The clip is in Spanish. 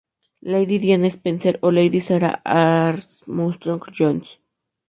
Lady Diana Spencer o Lady Sarah Armstrong-Jones.